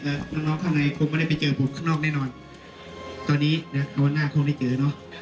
แล้วน้องน้องข้างในคงไม่ได้ไปเจอผมข้างนอกแน่นอนตอนนี้นะวันหน้าคงได้เจอเนอะ